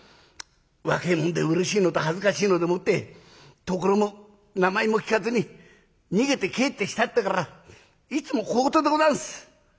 若え者でうれしいのと恥ずかしいのでもって所も名前も聞かずに逃げて帰ってきたってえからいつも小言でございます。